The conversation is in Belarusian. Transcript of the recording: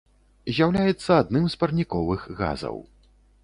З'яўляецца адным з парніковых газаў.